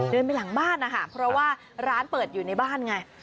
เดินไปหลังบ้านนะคะเพราะว่าร้านเปิดอยู่ในบ้านไง